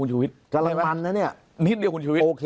คุณชีวิตกำลังคำบันนะเนี่ยนิดเดียว